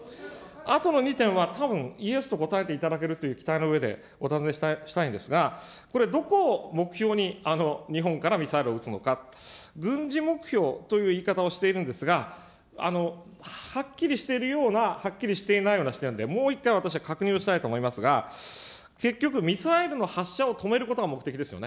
あとの２点は、たぶん、イエスと答えていただけるという期待の上でお尋ねしたいんですが、これ、どこを目標に日本からミサイルを撃つのか、軍事目標という言い方をしているんですが、はっきりしているようなはっきりしていないような、もう一回、私は確認をしたいと思いますが、結局、ミサイルの発射を止めることが目的ですよね。